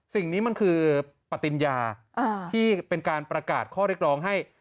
สิ่งนี้มันคือปฏิญญาที่เป็นการประกาศข้อเรียกร้องให้